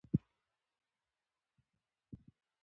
ښوونیز نصاب باید په پښتو وي.